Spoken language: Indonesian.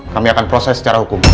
kami akan proses secara hukum